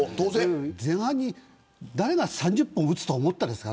前半に誰が３０本打つと思いましたか。